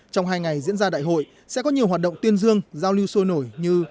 trong hai ngày diễn ra đại hội sẽ có nhiều hoạt động tuyên dương giao lưu sôi nổi như